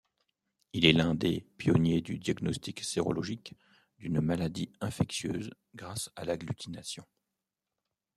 Il est l'un des pionniers du diagnostic sérologique d'une maladie infectieuse grâce à l'agglutination.